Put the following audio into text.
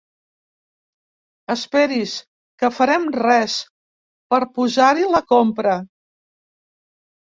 Esperi's que farem res per posar-hi la compra.